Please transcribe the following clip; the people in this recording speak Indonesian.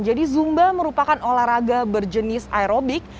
jadi zumba merupakan olahraga berjenis aerobik